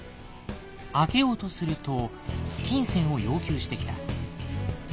開けようとすると金銭を要求してきた。